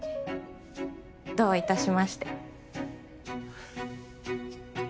どういたしまして。